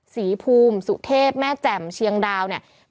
ศรีภูมิสุเทพแม่แจ่มเชียงดาวเนี่ย